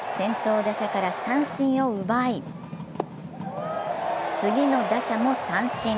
先頭打者から三振を奪い、次の打者も三振。